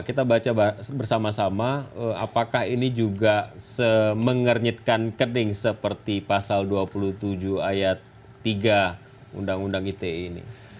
kita baca bersama sama apakah ini juga semenernyitkan kening seperti pasal dua puluh tujuh ayat tiga undang undang ite ini